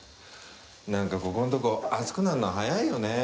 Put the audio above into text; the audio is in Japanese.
なんかここんとこ暑くなるの早いよね。